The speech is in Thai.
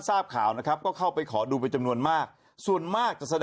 ทราบข่าวนะครับก็เข้าไปขอดูเป็นจำนวนมากส่วนมากจะแสดง